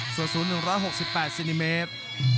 ส่วนศูนย์๑๖๘ซินิเมตร